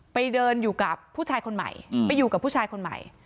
ไปเดินอยู่กับผู้ชายคนใหม่ไปอยู่กับผู้ชายคนใหม่